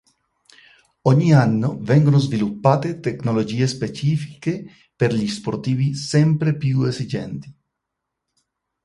Ogni anno vengono sviluppate tecnologie specifiche per gli sportivi sempre più esigenti.